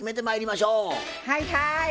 はいはい！